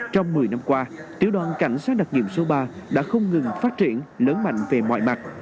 trong một mươi năm qua tiểu đoàn cảnh sát đặc nghiệm số ba đã không ngừng phát triển lớn mạnh về mọi mặt